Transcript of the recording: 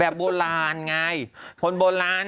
โบราณไงคนโบราณ